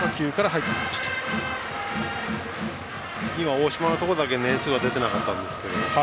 大島のところだけ年数が出ていなかったんですけど。